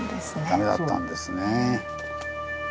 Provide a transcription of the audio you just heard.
駄目だったんですね。